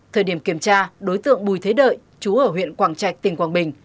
thời điểm kiểm tra đối tượng bùi thế đợi chú ở huyện quảng trạch tỉnh quảng bình